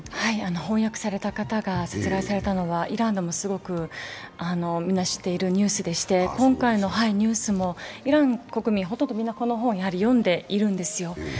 翻訳された方が殺害されたのはイランでもみんなすごく知っているニュースで今回のニュースもイラン国民ほとんどこの本を読んでいるんですよ。